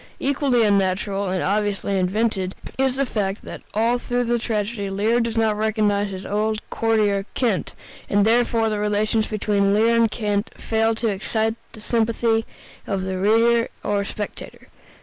Equally unnatural, and obviously invented, is the fact that all through the tragedy Lear does not recognize his old courtier, Kent, and therefore the relations between Lear and Kent fail to excite the sympathy of the reader or spectator.